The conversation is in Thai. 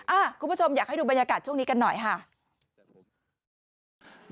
คุณผู้ชมอยากให้ดูบรรยากาศช่วงนี้กันหน่อยค่ะ